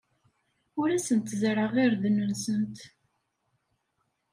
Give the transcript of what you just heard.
Ur asent-zerrɛeɣ irden-nsent.